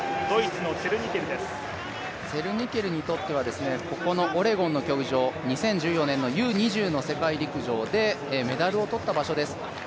ツェルニケルとってはこのオレゴンの会場、２０１４年のＵ２０の世界陸上でメダルを取った場所です。